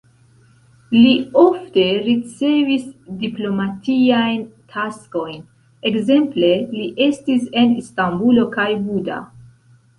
Li ofte ricevis diplomatiajn taskojn, ekzemple li estis en Istanbulo kaj Buda.